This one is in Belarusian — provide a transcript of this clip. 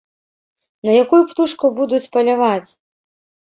На якую птушку будуць паляваць?